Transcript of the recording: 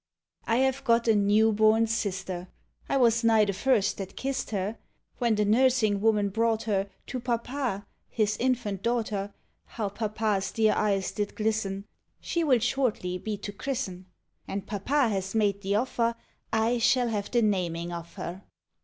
I have got a new born sister; I was nigh the first that kissed her. When the nursing woman brought her To papa, his infant daughter, How papa's dear eyes did glisten! — She will shortly be to christen; And papa has made the offer, I shall have the namiug of her.